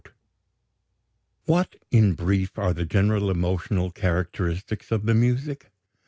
What, in brief, are the general emotional characteristics of the music?